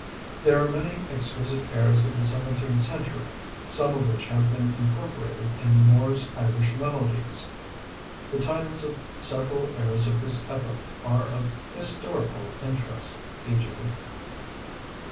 There are many exquisite airs of the seventeenth century, some of which have been incorporated in Moore's Irish Melodies. The titles of several airs of this epoch are of historical interest, _e.